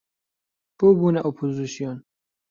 بۆ بوونە ئۆپۆزسیۆن